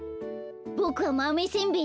ボクはまめせんべいだよ。